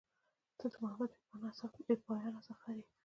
• ته د محبت بېپایانه سفر یې.